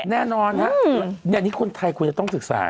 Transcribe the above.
แน่นอนครับอันนี้คนไทยคุณจะต้องศึกษานะ